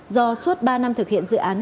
do suốt ba năm thực hiện dự án